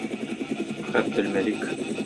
Габделмәлик.